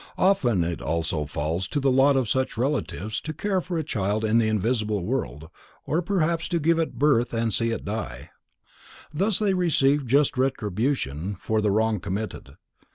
Often it also falls to the lot of such relatives to care for a child in the invisible world, or perhaps to give it birth and see it die. Thus they receive just retribution for the wrong committed.